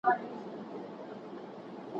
کله چې مسواک وهل کېږي نو خوله تازه کېږي.